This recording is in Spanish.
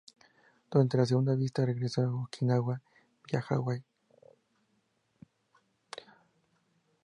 Durante la segunda visita, regresó a Okinawa vía Hawai.